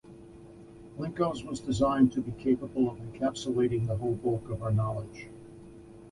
Lincos was designed to be capable of encapsulating the whole bulk of our knowledge.